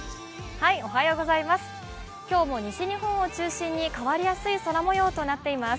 今日も西日本を中心に変わりやすい空もようとなっています。